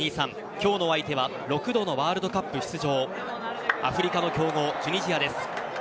今日の相手は６度のワールドカップ出場アフリカの強豪チュニジアです。